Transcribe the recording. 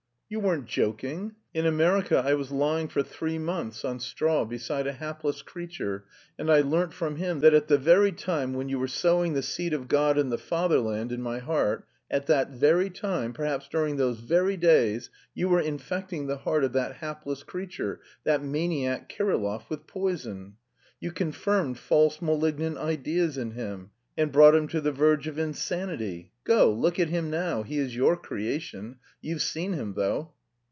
"You weren't joking! In America I was lying for three months on straw beside a hapless creature, and I learnt from him that at the very time when you were sowing the seed of God and the Fatherland in my heart, at that very time, perhaps during those very days, you were infecting the heart of that hapless creature, that maniac Kirillov, with poison... you confirmed false malignant ideas in him, and brought him to the verge of insanity.... Go, look at him now, he is your creation... you've seen him though."